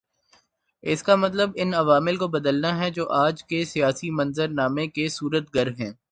اس کا مطلب ان عوامل کو بدلنا ہے جو آج کے سیاسی منظرنامے کے صورت گر ہیں۔